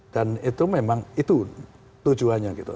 dan itu memang itu tujuannya